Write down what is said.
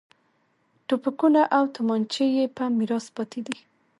توپکونه او تومانچې یې په میراث پاتې دي.